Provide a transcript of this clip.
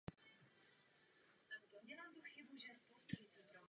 K nakladatelství náleží také knihkupectví s kavárnou na pražských Vinohradech.